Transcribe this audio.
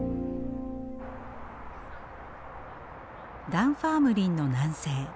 ダンファームリンの南西。